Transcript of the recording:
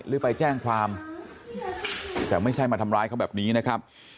หรือไปแจ้งความแต่ไม่ใช่มาทำร้ายเขาแบบนี้นะครับ